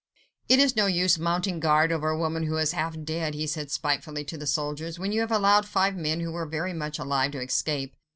"It is no use mounting guard over a woman who is half dead," he said spitefully to the soldiers, "when you have allowed five men who were very much alive to escape."